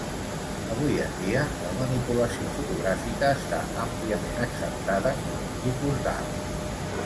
Avui en dia, la manipulació fotogràfica està àmpliament acceptada com un tipus d'art.